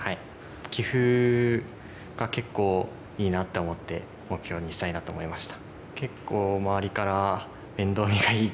棋風が結構いいなって思って目標にしたいなと思いました。